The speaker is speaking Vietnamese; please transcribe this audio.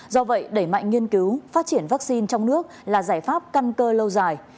do vậy đẩy mạnh nghiên cứu phát triển vaccine trong nước là giải pháp căn cơ lâu dài